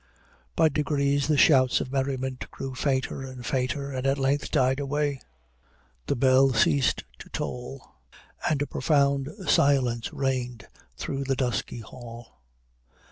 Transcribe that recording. By degrees the shouts of merriment grew fainter and fainter, and at length died away; the bell ceased to toll, and a profound silence reigned through the dusky hall.